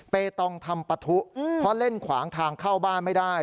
ตองทำปะทุเพราะเล่นขวางทางเข้าบ้านไม่ได้